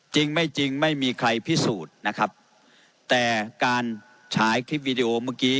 จริงไม่จริงไม่มีใครพิสูจน์นะครับแต่การฉายคลิปวิดีโอเมื่อกี้